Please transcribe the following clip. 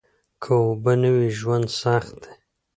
که اوبه نه وي ژوند سخت دي